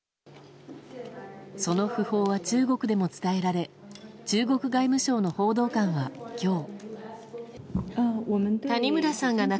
その訃報は中国でも伝えられ中国外務省の報道官は今日。